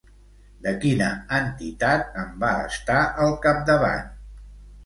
De quina entitat en va estar al capdavant?